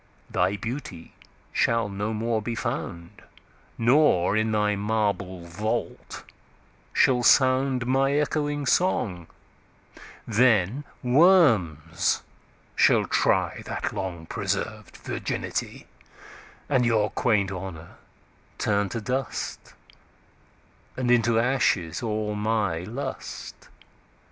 Thy Beauty shall no more be found; Nor, in thy marble Vault, shall soundMy ecchoing Song: then Worms shall tryThat long preserv'd Virginity:And your quaint Honour turn to dust; And into ashes all my Lust.